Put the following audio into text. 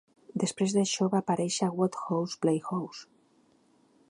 Després d'això, va aparèixer a "Wodehouse Playhouse".